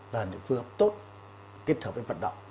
là phương hợp tốt kết hợp với vận động